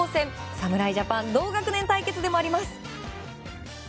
侍ジャパン同学年対決でもあります。